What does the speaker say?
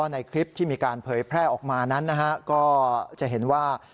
ในคลิปที่มีการเผยแพร่ออกมานั้นนะฮะก็จะเห็นว่า